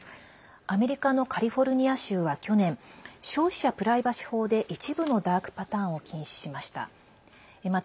アメリカのカリフォルニア州は去年、消費者プライバシー法で一部のダークパターンを禁止しました。